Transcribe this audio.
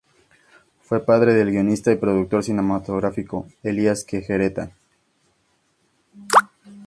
Fue padre del guionista y productor cinematográfico Elías Querejeta.